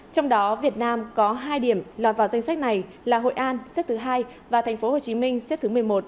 trong đó việt nam có hai điểm lọt vào danh sách này là hội an xếp thứ hai và tp hcm xếp thứ một mươi một